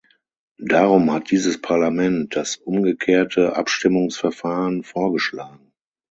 Darum hat dieses Parlament das umgekehrte Abstimmungsverfahren vorgeschlagen.